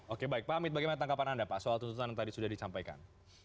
oke baik pak amit bagaimana tanggapan anda pak soal tuntutan yang tadi sudah disampaikan